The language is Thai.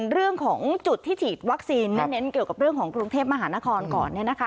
เรื่องของจุดที่ฉีดวัคซีนเน้นเกี่ยวกับเรื่องของกรุงเทพมหานครก่อน